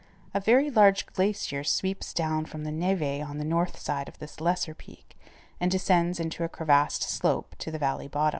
A very large glacier sweeps down from the névé on the north side of this lesser peak, and descends in a crevassed slope to the valley bottom.